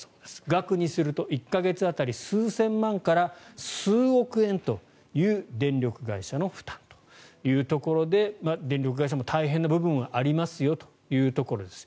額にすると１か月当たり数千万から数億円という電力会社の負担というところで電力会社も大変な部分はありますよということです。